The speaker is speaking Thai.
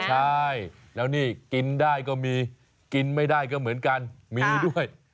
ใช่แล้วนี่กินได้ก็มีกินไม่ได้ก็เหมือนกันมีด้วย